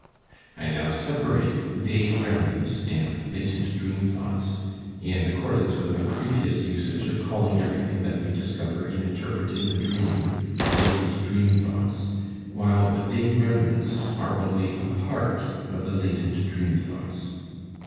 I now separate day remnants and latent dream thoughts in accordance with our previous usage of calling everything that we discover in interpreting the dream "latent dream thoughts," while the day remnants are only a part of the latent dream thoughts.